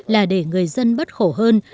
là để người dân bớt khổ hơn